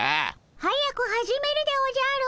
早く始めるでおじゃる。